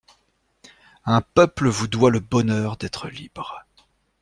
Un peuple vous doit le bonheur d'être libre.